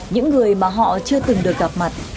những người mà họ chưa từng được gặp mặt